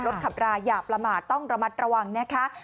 รถขับรายหยาบละหมาต้องระมัดระวังนะครับ